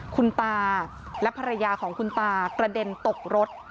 คุณตาและภรรยาของคุณตากระเด็นตกรถ